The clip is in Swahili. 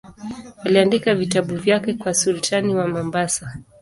Aliandika vitabu vyake kwa sultani wa Mombasa.